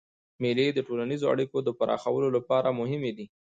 مېلې د ټولنیزو اړیکو د پراخولو له پاره مهمي دي.